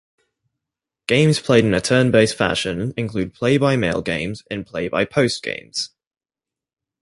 Games played in a turn-based fashion include play-by-mail games and play-by-post games.